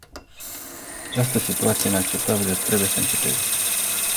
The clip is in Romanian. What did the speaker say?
Această situație inacceptabilă trebuie să înceteze.